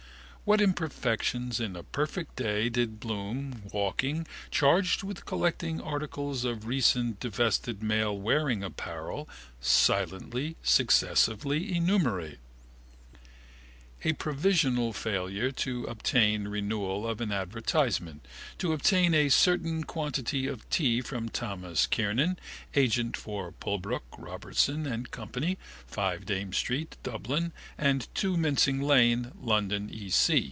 What imperfections in a perfect day did Bloom, walking, charged with collected articles of recently disvested male wearing apparel, silently, successively, enumerate? A provisional failure to obtain renewal of an advertisement: to obtain a certain quantity of tea from Thomas Kernan (agent for Pulbrook, Robertson and Co, 5 Dame Street, Dublin, and 2 Mincing Lane, London E.